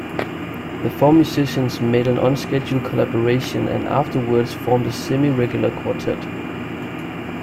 The four musicians made an unscheduled collaboration, and afterwards formed a semi-regular quartet.